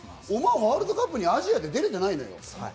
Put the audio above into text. オマーン、ワールドカップにアジアで出れてないのよ。